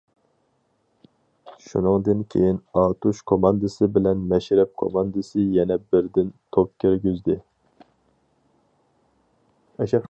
شۇنىڭدىن كېيىن ئاتۇش كوماندىسى بىلەن‹‹ مەشرەپ›› كوماندىسى يەنە بىردىن توپ كىرگۈزدى.